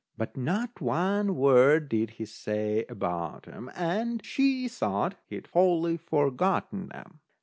But not one word did he say about 'em, and she thought he'd wholly forgotten 'em.